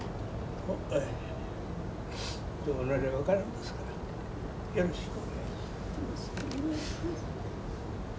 どうなるか分からんですからよろしくお願いします。